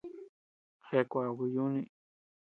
Jeaa kuaaku yuuni.